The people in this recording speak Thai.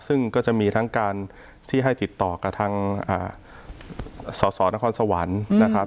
ซึ่งก็จะมีทั้งการที่ให้ติดต่อกับทางสสนครสวรรค์นะครับ